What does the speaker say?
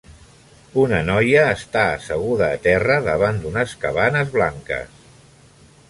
Una noia està asseguda a terra davant d'unes cabanes blanques